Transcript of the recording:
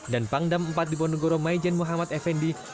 dan pangdam empat diponegoro maijen muhammad effendi